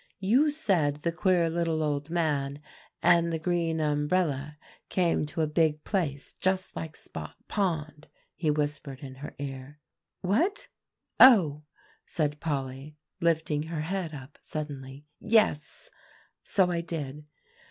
"You said the queer little old man and the green umbrella came to a big place just like Spot Pond," he whispered in her ear. "What oh!" said Polly, lifting her head up suddenly. "Yes, so I did.